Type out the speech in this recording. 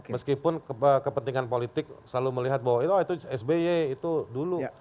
meskipun kepentingan politik selalu melihat bahwa itu sby itu dulu